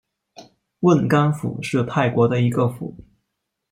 汶干府是泰国的一个府。